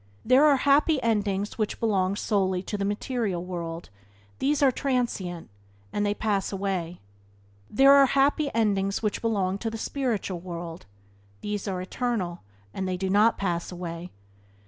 There are happy endings which belong solely to the material world; these are transient, and they pass away. These are happy endings which belong to the spiritual world; these are eternal, and they do not pass away.